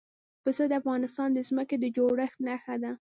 پسه د افغانستان د ځمکې د جوړښت نښه ده.